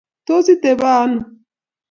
tos itabeno